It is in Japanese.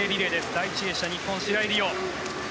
第１泳者、日本、白井璃緒。